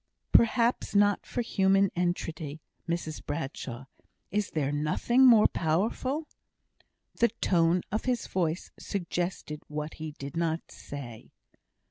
"Perhaps not for human entreaty. Mrs Bradshaw, is there nothing more powerful?" The tone of his voice suggested what he did not say.